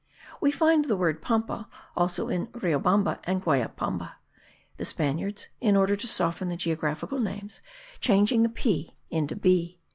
We find the word Pampa also in Riobamba and Guallabamba; the Spaniards, in order to soften the geographical names, changing the p into b.)